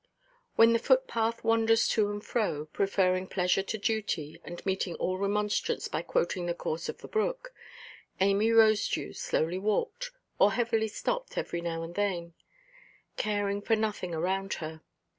Where the footpath wanders to and fro, preferring pleasure to duty, and meeting all remonstrance by quoting the course of the brook, Amy Rosedew slowly walked, or heavily stopped every now and then, caring for nothing around her.